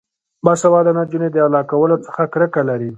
باسواده نجونې د غلا کولو څخه کرکه لري.